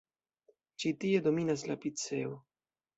Ĉi tie dominas la piceo.